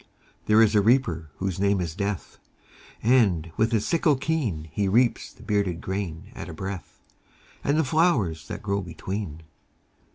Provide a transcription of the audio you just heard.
There is a Reaper, whose name is Death, And, with his sickle keen, He reaps the bearded grain at a breath, And the flowers that grow between.